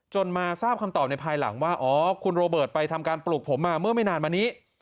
มาทราบคำตอบในภายหลังว่าอ๋อคุณโรเบิร์ตไปทำการปลูกผมมาเมื่อไม่นานมานี้